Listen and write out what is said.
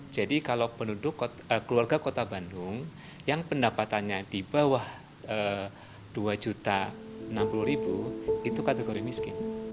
jadi kalau penduduk keluarga kota bandung yang pendapatannya di bawah dua enam puluh itu kategori miskin